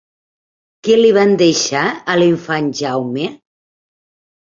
Què li van deixar a l'infant Jaume?